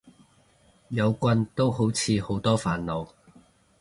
有棍都好似好多煩惱